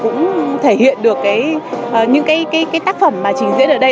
và cũng thể hiện được những tác phẩm mà trình diễn ở đây